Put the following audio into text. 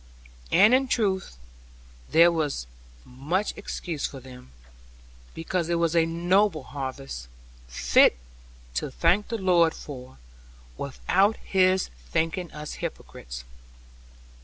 And in truth, there was much excuse for them; because it was a noble harvest, fit to thank the Lord for, without His thinking us hypocrites.